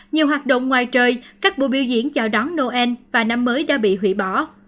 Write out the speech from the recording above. nhiều hoạt động ngoài trời các buổi biểu diễn chào đón noel và năm mới đã bị hủy bỏ